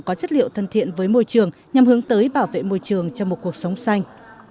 có chất liệu thân thiện với môi trường nhằm hướng tới bảo vệ môi trường cho một cuộc sống xanh